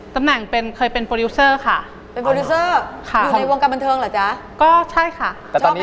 ค่ะเป็นพนักงานบริษัทค่ะ